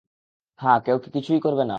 হ্যাঁ, কেউ কি কিছুই করবে না?